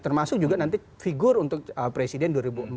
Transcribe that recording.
termasuk juga nanti figur untuk presiden dua ribu dua puluh empat